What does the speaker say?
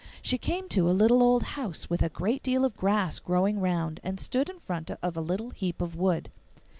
She came to a little old house with a great deal of grass growing round, and stood in front of a little heap of wood.